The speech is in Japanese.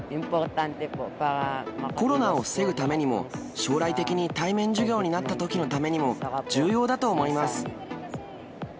コロナを防ぐためにも、将来的に対面授業になったときのためにも、重要だと思います。